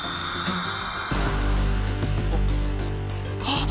あっ！